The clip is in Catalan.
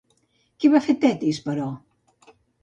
Què va fer Tetis, però?